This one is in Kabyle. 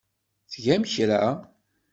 Tgam kra?